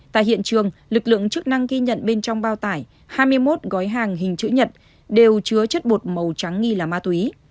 tại hiện trường lực lượng chức năng ghi nhận bên trong bao tải hai mươi một gói hàng hình chữ nhật đều chứa chất bột màu trắng nghi là ma túy